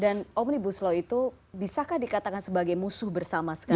dan omnibus law itu bisakah dikatakan sebagai musuh bersama sekarang